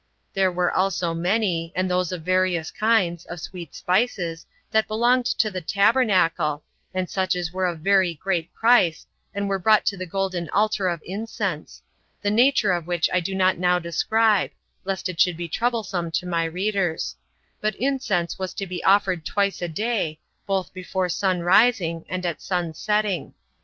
There were also many, and those of various kinds, of sweet spices, that belonged to the tabernacle, and such as were of very great price, and were brought to the golden altar of incense; the nature of which I do not now describe, lest it should be troublesome to my readers; but incense 19 was to be offered twice a day, both before sun rising and at sun setting.